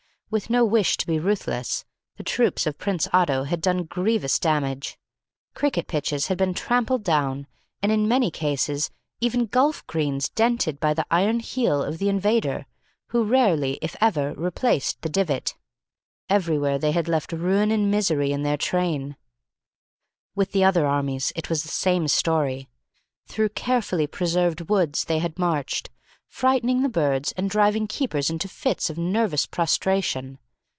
With no wish to be ruthless, the troops of Prince Otto had done grievous damage. Cricket pitches had been trampled down, and in many cases even golf greens dented by the iron heel of the invader, who rarely, if ever, replaced the divot. Everywhere they had left ruin and misery in their train. With the other armies it was the same story. Through carefully preserved woods they had marched, frightening the birds and driving keepers into fits of nervous prostration.